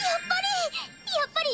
やっぱり！